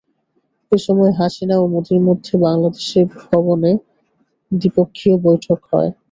এ সময় হাসিনা ও মোদির মধ্যে বাংলাদেশ ভবনে দ্বিপক্ষীয় বৈঠক হয়।